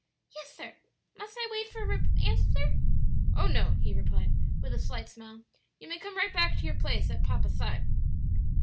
"Yes, sir; must I wait for an answer?" "Oh, no," he replied, with a slight smile; "you may come right back to your place by papa's side."